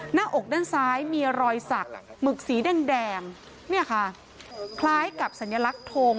หน้าอกด้านซ้ายมีรอยสักหมึกสีแดงเนี่ยค่ะคล้ายกับสัญลักษณ์ทง